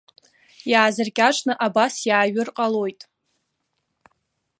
Иаазыркьаҿны абас иааҩыр ҟалоит.